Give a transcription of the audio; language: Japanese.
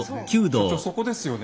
所長そこですよね。